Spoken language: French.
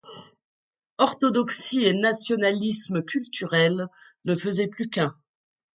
Orthodoxie et nationalisme culturel ne faisaient plus qu'un.